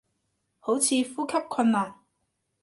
好似呼吸困難